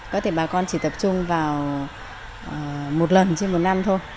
có thể bà con chỉ tập trung vào một lần trên một năm thôi